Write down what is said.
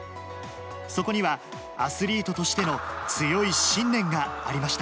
そこには、アスリートとしての強い信念がありました。